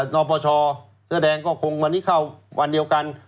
นปชเสื้อแดงก็คงวันนี้เข้าวันเดียวกัน